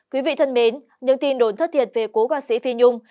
quý vị thân mến những tin đồn thất thiệt về cố ca sĩ phi nhung